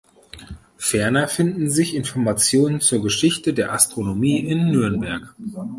Ferner finden sich Informationen zur Geschichte der Astronomie in Nürnberg.